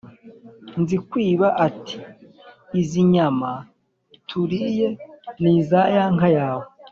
Nzikwiba ati: "Izi nyama turiye ni iza ya nka yawe